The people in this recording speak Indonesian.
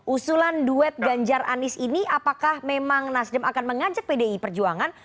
usulan duet ganjar anis ini apakah memang nasdem akan mengajak pdi perjuangan